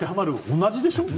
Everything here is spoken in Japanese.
同じでしょ？